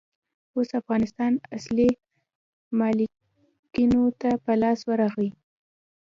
اوس افغانستان اصلي مالکينو ته په لاس ورغلئ.